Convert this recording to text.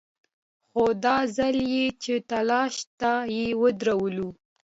خو دا ځل چې تلاشۍ ته يې ودرولو.